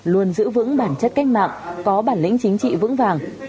luôn giữ vững bản chất cách mạng có bản lĩnh chính trị vững vàng